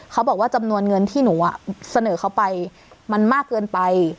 เขาบอกว่าจำนวนเงินที่หนูเสนอเขาไปมันมากเกินไป